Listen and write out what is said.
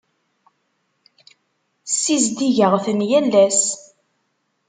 Ssizdigeɣ-ten yal ass.